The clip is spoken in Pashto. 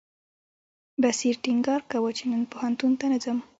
بصیر ټینګار کاوه چې نن پوهنتون ته نه ځم.